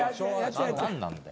何なんだよ！